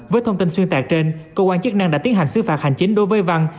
với thông tin xuyên tạc trên cơ quan chức năng đã tiến hành xứ phạt hành chính đối với văn